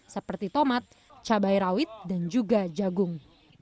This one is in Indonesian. seperti tomat cabai rawit dan juga jagung